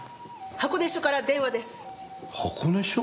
箱根署？